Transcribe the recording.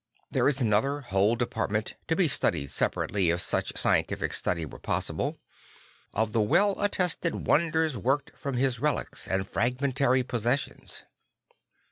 There is another whole depart ment, to be studied separately if such scientific study were possible, of the well attested wonders worked from his relics and fragmentary possessions.